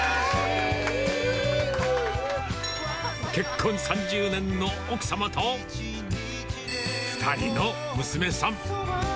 結婚３０年の奥様と、２人の娘さん。